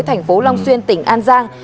thành phố long xuyên tỉnh an giang